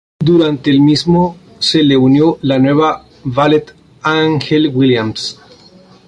Durante el mismo, se les unió la nueva valet Angel Williams.